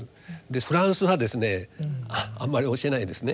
フランスはですねあんまり教えないですね。